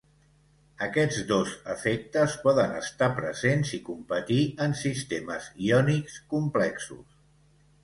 Aquests dos efectes poden estar presents i competir en sistemes iònics complexos.